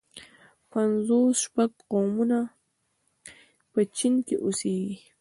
پنځوس شپږ قومونه په چين کې اوسيږي.